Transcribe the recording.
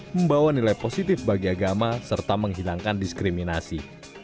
membawa nilai positif bagi agama serta menghilangkan diskriminasi